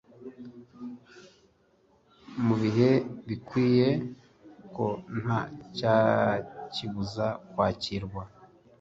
mu bihe bikwiye ko nta cyakibuza kwakirwa.